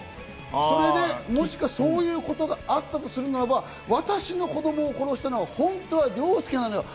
それで、そういうことがあったとするならば、私の子供を殺したのは本当は凌介なんだ。